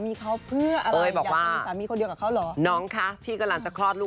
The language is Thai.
เมื่อเข้ายุ่งกับสามีเขาเพื่ออะไรเค้าบอกว่า